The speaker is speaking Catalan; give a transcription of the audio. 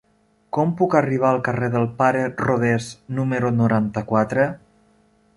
Com puc arribar al carrer del Pare Rodés número noranta-quatre?